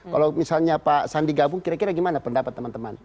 kalau misalnya pak sandi gabung kira kira gimana pendapat teman teman